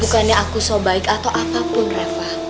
bukannya aku sobaik atau apapun reva